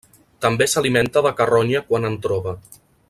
També s'alimenta de carronya quan en troba.